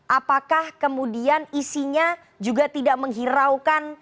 apakah kemudian isinya juga tidak menghiraukan